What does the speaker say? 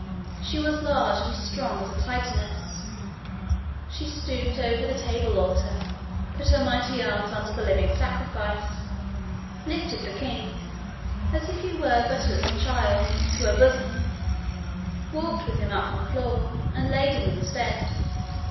She was large and strong as a Titaness. She stooped over the table altar, put her mighty arms under the living sacrifice, lifted the king, as if he were but a little child, to her bosom, walked with him up the floor, and laid him in his bed.